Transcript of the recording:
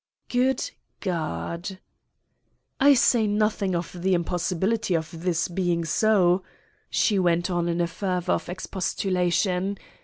Good God! "I say nothing of the impossibility of this being so," she went on in a fever of expostulation.